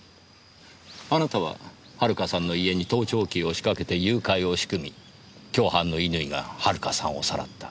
あなたは遥さんの家に盗聴器を仕掛けて誘拐を仕組み共犯の乾が遥さんをさらった。